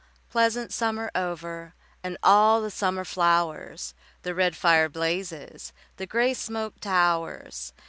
Pleasant summer over And all the summer flowers, The red fire blazes, The grey smoke towers.